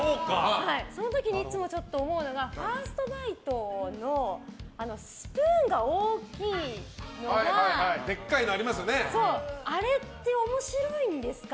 その時にいつも思うのがファーストバイトのスプーンが大きいのがあれって面白いんですか？